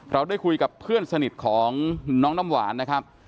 เราได้คุยกับเพื่อนสนิทของน้องน้ำหวานนะครับ